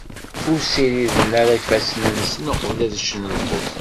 Ur ssiriden ara ifassen-nsen uqbel ad ččen lqut.